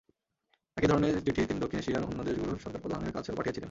একই ধরনের চিঠি তিনি দক্ষিণ এশিয়ার অন্য দেশগুলোর সরকারপ্রধানদের কাছেও পাঠিয়েছিলেন।